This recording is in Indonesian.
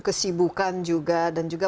kesibukan juga dan juga